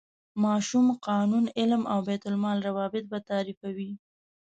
ماشوم، قانون، علم او بین الملل روابط به تعریفوي.